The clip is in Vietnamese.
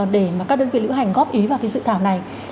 để mà các đơn vị lữ hành góp ý vào dự thảo này